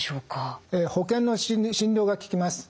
保険の診療がききます。